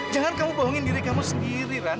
jangan kamu bohongin diri kamu sendiri kan